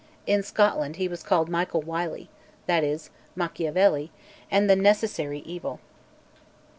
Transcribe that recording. In Scotland he was called Michael Wily, that is, Macchiavelli, and "the necessary evil."